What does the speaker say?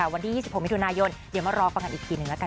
วันที่๒๖มิถุนายนเดี๋ยวมารอความผิดหนึ่งนะคะ